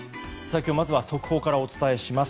今日、まずは速報からお伝えします。